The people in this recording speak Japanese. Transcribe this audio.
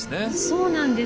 そうなんです。